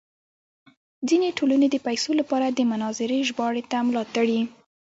ځینې ټولنې د پیسو لپاره د مناظرې ژباړې ته ملا تړي.